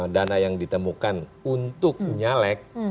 dana yang ditemukan untuk nyalek